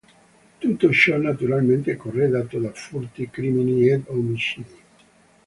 Tutto ciò naturalmente corredato da furti, crimini ed omicidi.